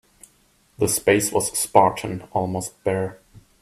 The space was spartan, almost bare.